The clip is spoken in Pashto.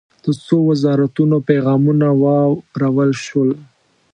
د څو وزارتونو پیغامونه واورل شول.